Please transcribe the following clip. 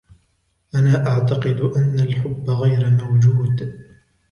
أنا أعتقد أن الحب غير موجود.